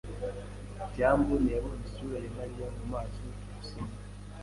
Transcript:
byambo ntiyabonye isura ya Mariya mu maso. byukusenge